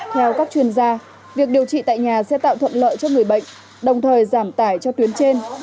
theo các chuyên gia việc điều trị tại nhà sẽ tạo thuận lợi cho người bệnh đồng thời giảm tải cho tuyến trên